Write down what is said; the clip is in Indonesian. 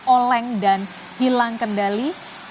oleng dan hilang kendali